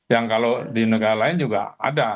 yang kalau di negara lain juga ada